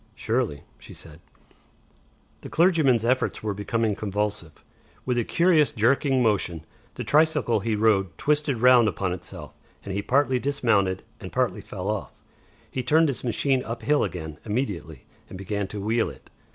"Surely," she said. The clergyman's efforts were becoming convulsive. With a curious jerking motion, the tricycle he rode twisted round upon itself, and he partly dismounted and partly fell off. He turned his machine up hill again immediately and began to wheel it.